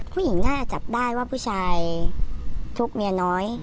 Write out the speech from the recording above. ผู้หญิงน่าจะจับได้ว่าผู้ชายชกเมียน้อย